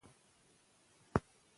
که مادي ژبه وي نو علم ته خنډ نسته.